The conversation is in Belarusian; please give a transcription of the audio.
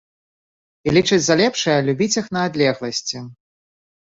І лічыць за лепшае любіць іх на адлегласці.